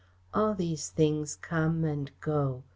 All the things come and go.